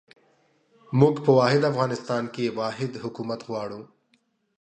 موږ په واحد افغانستان کې واحد حکومت غواړو.